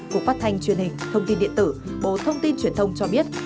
cục phát thanh truyền hình thông tin điện tử bộ thông tin truyền thông cho biết